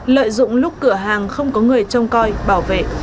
lợi dụng lúc cửa hàng không có người trông coi bảo vệ